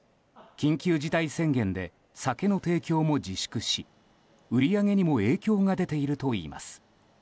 緊急事態宣言で酒の提供も自粛し売り上げにも影響が出ているといいます。